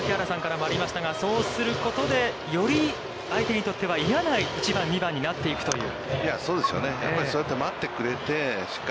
本当に、槙原さんからもありましたが、そうすることで、より相手にとっては嫌な１番、２番になっていくという。